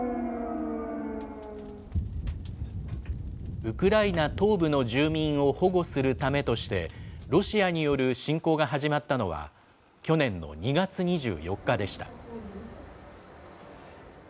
ウクライナ東部の住民を保護するためとして、ロシアによる侵攻が始まったのは、去年の２月２４日でした。